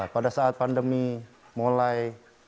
pada saat pandemi mulai